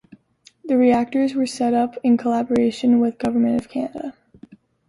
The reactors were set up in collaboration with Government of Canada.